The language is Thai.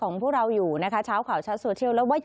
ของผู้เราอยู่นะคะชาวข่าวชาวโซเทียล